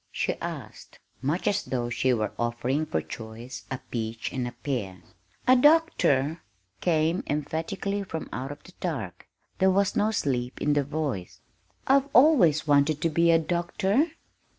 she asked, much as though she were offering for choice a peach and a pear. "A doctor!" came emphatically from out of the dark there was no sleep in the voice now. "I've always wanted to be a doctor."